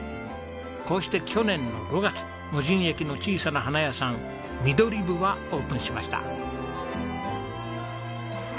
こうして去年の５月無人駅の小さな花屋さんミドリブはオープンしました。